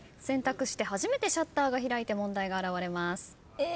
選択して初めてシャッターが開いて問題が現れます。